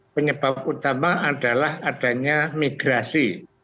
penyebab utama adalah adanya migrasi